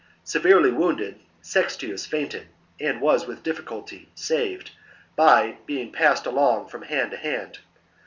Severely wounded, Sextius fainted and was with difficulty saved by being passed along from hand to hand.